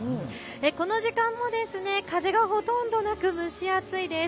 この時間も風がほとんどなく蒸し暑いです。